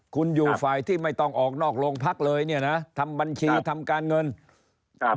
คุณอยู่ฝ่ายที่ไม่ต้องออกนอกโรงพักเลยเนี่ยนะทำบัญชีทำการเงินครับ